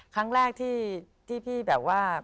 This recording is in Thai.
ครั้งแรกที่พี่แบบว่า